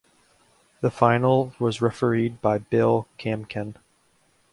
The final was refereed by Bill Camkin.